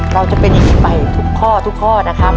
เราจะไปดีไปทุกข้อทุกข้อนะครับ